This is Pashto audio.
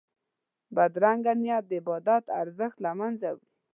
بدرنګه نیت د عبادت ارزښت له منځه وړي